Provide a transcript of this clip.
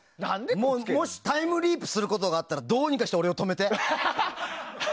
もし、タイムリープすることがあったらどうにかして俺を止めて。